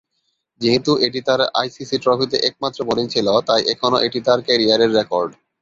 যেহেতু এটি তার আইসিসি ট্রফিতে একমাত্র বোলিং ছিল, তাই এখনও এটি তার ক্যারিয়ারের রেকর্ড।